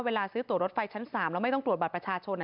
เวลาซื้อตัวรถไฟชั้น๓แล้วไม่ต้องตรวจบัตรประชาชน